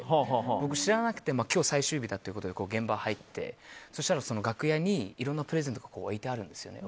僕、知らなくて今日、最終日だということで現場に入って、そうしたら楽屋にいろんなプレゼントが置いてあるんですよね。